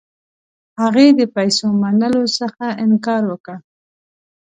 هغې د پیسو منلو څخه انکار وکړ.